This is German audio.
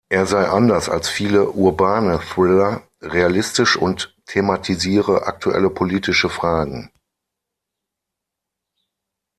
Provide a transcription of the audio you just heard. Er sei anders als viele „urbane Thriller“ realistisch und thematisiere aktuelle politische Fragen.